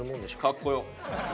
かっこよ。